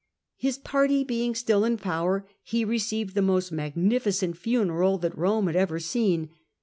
His party being still in power, he received the most magnificent funeral that Kome had ever seen.